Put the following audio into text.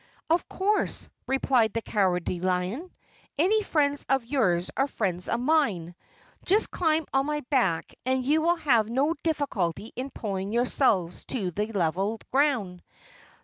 "Of course," replied the Cowardly Lion, "any friends of yours are friends of mine. Just climb on my back and you will have no difficulty in pulling yourselves to level ground.